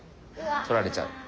取られちゃう。